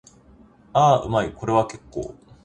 ああ、うまい。これは結構。